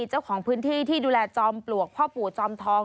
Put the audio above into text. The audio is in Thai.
เจ้าของพื้นที่ที่ดูแลจอมปลวกพ่อปู่จอมทอง